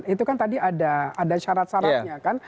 itu kan tadi ada syarat syaratnya kan